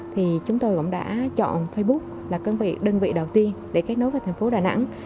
thì chúng tôi cũng đã chọn facebook là đơn vị đầu tiên để kết nối với thành phố đà nẵng